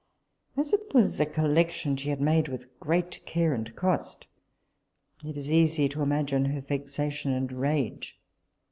As it was a collection she had made with great care and cost, it is easy to imagine her vexation and rage.